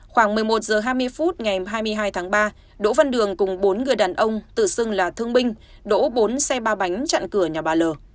khoảng một mươi một h hai mươi phút ngày hai mươi hai tháng ba đỗ văn đường cùng bốn người đàn ông tự xưng là thương binh đổ bốn xe ba bánh chặn cửa nhà bà l